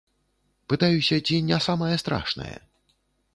Пытаюся, ці не самае страшнае?